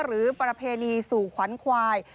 หรือเปราะเพณีสู่ควัญควาย